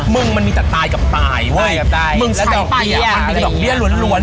มึงมันมีแต่ตายกับตายเว้ยตายกับตายมึงใช้ไปอ่ะมันมีกระดอกเดี้ยร้วนร้วน